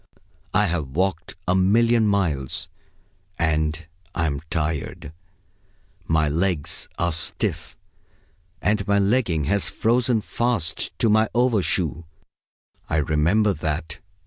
I have walked a million miles, and I'm tired. My legs are stiff, and my legging has frozen fast to my overshoe; I remember that.